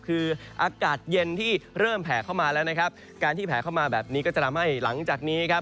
คืออากาศเย็นที่เริ่มแผ่เข้ามาแล้วนะครับการที่แผลเข้ามาแบบนี้ก็จะทำให้หลังจากนี้ครับ